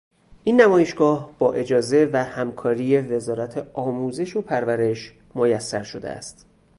این نمایشگاه با اجازه و همکاری وزارت آموزش و پرورش میسر شده است.